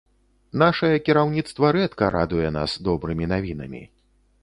Нашае кіраўніцтва рэдка радуе нас добрымі навінамі.